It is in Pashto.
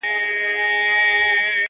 وې نارې د جاله وان شور د بلبلو-